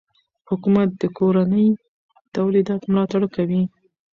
حکومت د کورني تولید ملاتړ کوي.